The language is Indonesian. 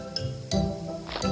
di perahu itu